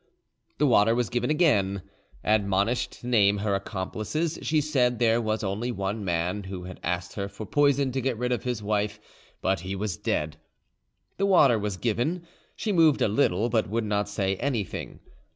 "The water was again given. "Admonished to name her accomplices, she said there was only one man, who had asked her for poison to get rid of his wife, but he was dead. "The water was given; she moved a little, but would not say anything.